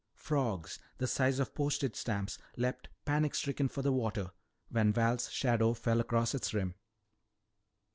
Frogs the size of postage stamps leaped panic stricken for the water when Val's shadow fell across its rim.